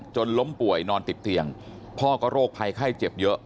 ล้มป่วยนอนติดเตียงพ่อก็โรคภัยไข้เจ็บเยอะ